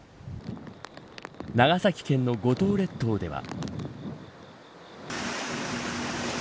長崎県の五島列島では。